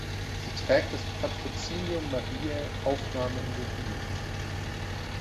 Sie trägt das Patrozinium Mariä Aufnahme in den Himmel.